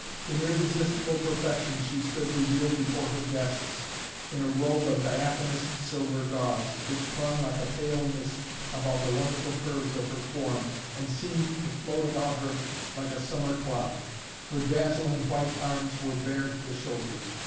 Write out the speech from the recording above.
In irresistible perfection she stood revealed before her guests in a robe of diaphanous silver gauze, which clung like a pale mist about the wonderful curves of her form and seemed to float about her like a summer cloud. Her dazzling white arms were bare to the shoulders.